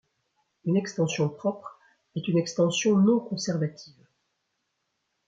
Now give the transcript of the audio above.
Une extension propre est une extension non conservative.